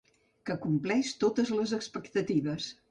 Que compleix totes les expectatives.